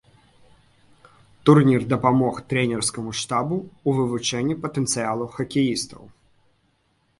Турнір дапамог трэнерскаму штабу ў вывучэнні патэнцыялу хакеістаў.